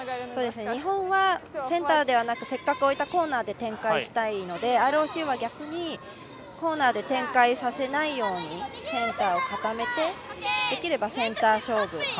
日本は、センターでなくせっかく置いたコーナーで展開したいので、ＲＯＣは逆にコーナーで展開させないようにセンターを固めてできればセンター勝負。